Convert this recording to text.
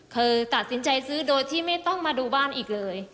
เคยตัดสินใจซื้อโดยที่ไม่ต้องมาดูบ้านอีกเลย